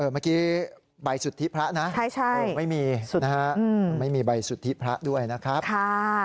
เมื่อกี้ใบสุทธิพระนะไม่มีนะฮะไม่มีใบสุทธิพระด้วยนะครับ